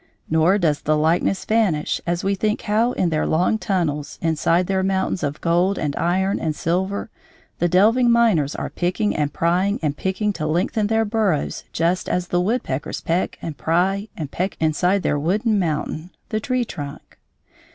Nor does the likeness vanish as we think how in their long tunnels inside their mountains of gold and iron and silver the delving miners are picking and prying and picking to lengthen their burrows just as the woodpeckers peck and pry and peck inside their wooden mountain, the tree trunk.